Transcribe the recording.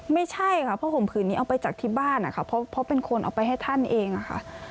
ไม่ใช่ค่ะเพราะห่มผืนนี้เอาไปจากที่บ้านนะคะเพราะเป็นคนเอาไปให้ท่านเองอะค่ะ